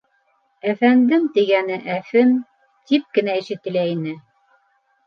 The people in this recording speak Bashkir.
«әфәндем» тигәне «әфем» тип кенә ишетелә ине.